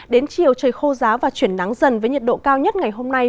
đến chiều trời khô giáo và chuyển nắng dần với nhiệt độ cao nhất ngày hôm nay